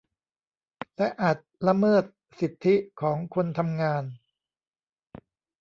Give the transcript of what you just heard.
และอาจละเมิดสิทธิของคนทำงาน